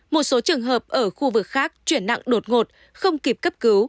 một số trường hợp ở khu vực khác chuyển nặng đột ngột không kịp cấp cứu